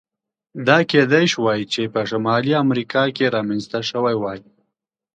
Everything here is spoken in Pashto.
دا کېدای شوای چې په شمالي امریکا کې رامنځته شوی وای.